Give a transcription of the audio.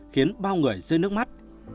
khiến bao người rơi nước mắt